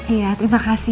iya terima kasih